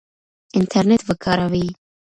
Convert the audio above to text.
انټرنیټ وکاروئ.